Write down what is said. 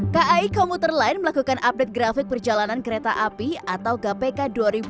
kai komuter line melakukan update grafik perjalanan kereta api atau gapeka dua ribu dua puluh